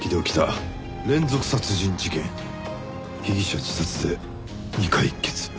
被疑者自殺で未解決。